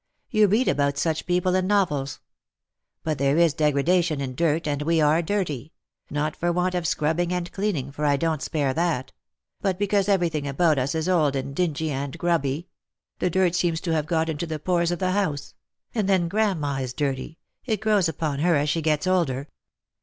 You read about such people in novels. But there is degradation in dirt, and we are dirty ; not for want of scrubbing and cleaning, for I don't spare that; but because everything about us is old and dingy and grubby; the dirt seems to have got into the pores of the house; and then grandma is dirty — it grows upon her as she gets older.